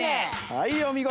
はいお見事。